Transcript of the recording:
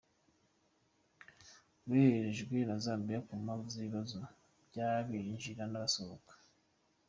Boherejwe na Zambia ku mpamvu z’ibibazo by’abinjira n’abasohoka.